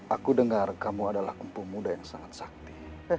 aku dengar kamu adalah empu muda yang sangat sakti